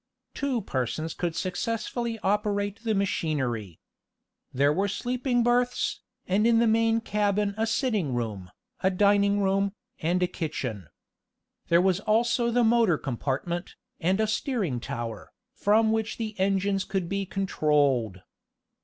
Two persons could successfully operate the machinery. There were sleeping berths, and in the main cabin a sitting room, a dining room, and a kitchen. There was also the motor compartment, and a steering tower, from which the engines could be controlled.